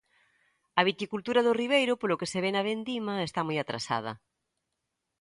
A viticultura do Ribeiro polo que se ve na vendima está moi atrasada.